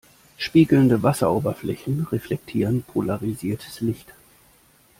Spiegelnde Wasseroberflächen reflektieren polarisiertes Licht.